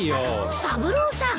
三郎さん。